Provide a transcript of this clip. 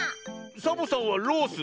サボさんは「ロース」。